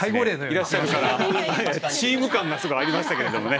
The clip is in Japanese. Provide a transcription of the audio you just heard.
いらっしゃるからチーム感がすごいありましたけれどもね。